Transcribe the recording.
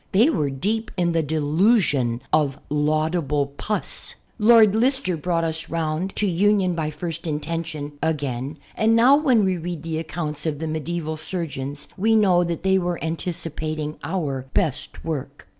They were deep in the delusion of laudable pus. Lord Lister brought us round to union by first intention again and now when we read the accounts of the medieval surgeons we know that they were anticipating our best work.